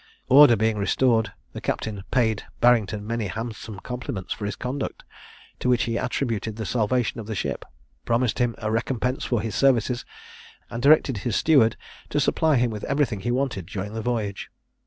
Order being restored, the captain paid Barrington many handsome compliments for his conduct, to which he attributed the salvation of the ship, promised him a recompense for his services, and directed his steward to supply him with everything he wanted during the voyage.